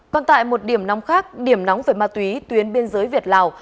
bằng tại một điểm nóng khác điểm nóng với ma túy tuyến biên giới việt lào